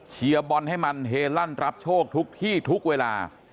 บอลให้มันเฮลั่นรับโชคทุกที่ทุกเวลา